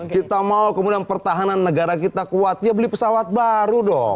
kita mau kemudian pertahanan negara kita kuat ya beli pesawat baru dong